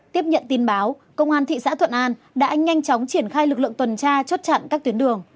tiếp nhận tin báo công an thị xã thuận an đã nhanh chóng triển khai lực lượng tuần tra chốt chặn các tuyến đường